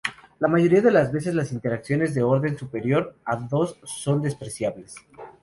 La mayoría de las veces las interacciones de orden superior a dos son despreciables.